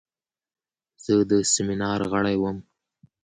زه د سیمینار غړی وم.